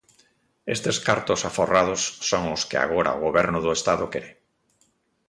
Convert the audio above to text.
Estes cartos aforrados son os que agora o Goberno do Estado quere.